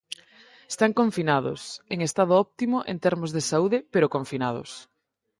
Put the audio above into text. Están confinados, en estado óptimo en termos de saúde pero confinados.